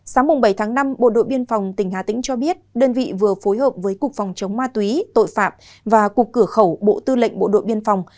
sáng bảy tháng năm bộ đội biên phòng tỉnh hà tĩnh cho biết đơn vị vừa phối hợp với cục phòng chống ma túy tội phạm và cục cửa khẩu bộ tư lệnh bộ đội biên phòng